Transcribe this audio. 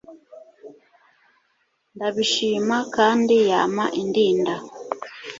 ndabishima kandi yama indinda